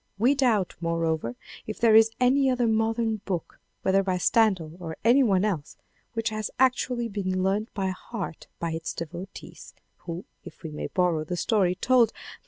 We doubt, moreover, if there is any other modern book whether by Stendhal or any one else, which has actually been learnt by heart by its devotees, who, if we may borrow the story told by M.